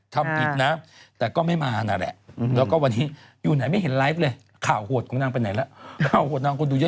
ทำผิดนะแต่ก็ไม่มานั่นแหละแล้วก็วันนี้อยู่ไหนไม่เห็นไลฟ์เลยข่าวโหดของนางไปไหนแล้วข่าวโหดนางก็ดูเยอะ